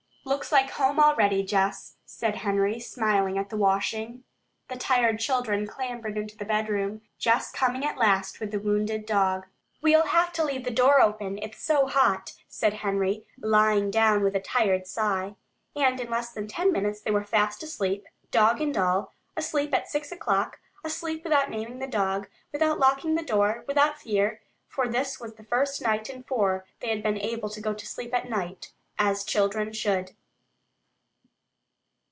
"Looks like home already, Jess," said Henry, smiling at the washing. The tired children clambered into the "bedroom," Jess coming last with the wounded dog. "We'll have to leave the door open, it's so hot," said Henry, lying down with a tired sigh. And in less than ten minutes they were fast asleep, dog and all asleep at six o'clock, asleep without naming the dog, without locking the door, without fear, for this was the first night in four that they had been able to go to sleep at night, as children should.